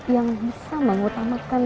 yang bisa mengutamakan